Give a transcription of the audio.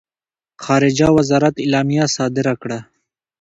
خارجه وزارت اعلامیه صادره کړه.